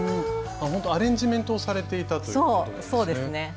ほんとアレンジメントをされていたということなんですね。